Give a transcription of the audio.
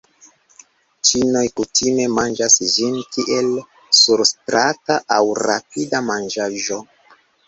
Ĉinoj kutime manĝas ĝin kiel surstrata aŭ rapida manĝaĵo.